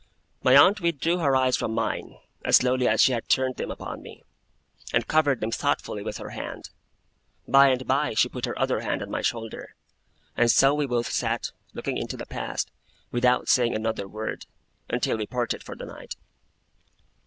My aunt withdrew her eyes from mine, as slowly as she had turned them upon me; and covered them thoughtfully with her hand. By and by she put her other hand on my shoulder; and so we both sat, looking into the past, without saying another word, until we parted for the night.